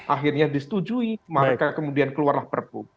akhirnya disetujui maka kemudian keluarlah perpu